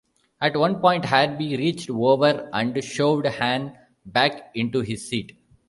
At one point, Harby "reached over" and shoved Hahn back into his seat.